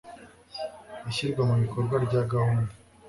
ishyirwa mu bikorwa rya gahunda